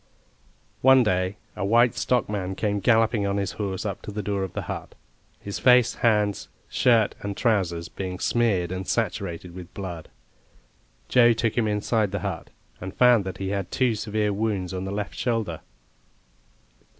One day a white stockman came galloping on his horse up to the door of the hut, his face, hands, shirt and trousers being smeared and saturated with blood. Joe took him inside the hut, and found that he had two severe wounds on the left shoulder.